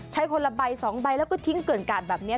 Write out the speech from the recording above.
ใช้คนละใบ๒ใบแล้วก็ทิ้งเกิดการณ์แบบนี้